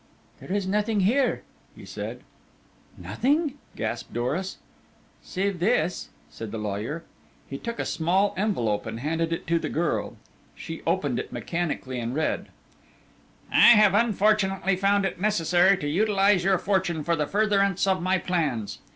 "There is nothing here," he said. "Nothing!" gasped Doris. "Save this," said the lawyer. He took a small envelope and handed it to the girl. She opened it mechanically and read: "I have, unfortunately, found it necessary to utilize your fortune for the furtherance of my plans.